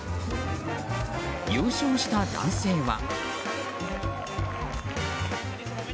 優勝した男性は。